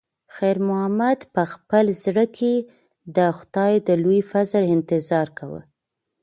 خیر محمد په خپل زړه کې د خدای د لوی فضل انتظار کاوه.